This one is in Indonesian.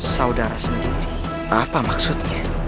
saudara sendiri apa maksudnya